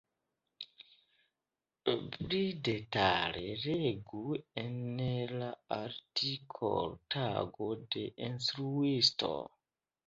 Pli detale legu en la artikolo Tago de instruisto.